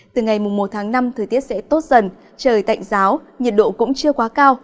từ ngày một tháng năm thời tiết sẽ tốt dần trời tạnh giáo nhiệt độ cũng chưa quá cao